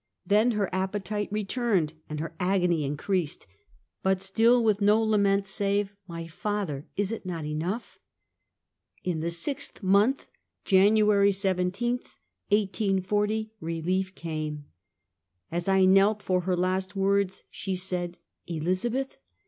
Then her appetite returned and her agony increased, but still with no la ment save: "My Father! Is it not enough?" In the sixth month, January 17th, 1840, relief came. As I knelt for her last words, she said: "Elizabeth?"